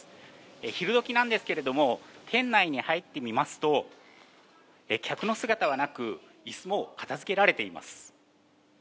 昼どきなんですけれども、店内に入ってみますと、客の姿はなく、いすも片づけられています。